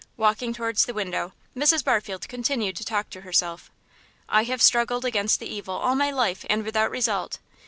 Walking towards the window, Mrs. Barfield continued to talk to herself. "I have struggled against the evil all my life, and without result.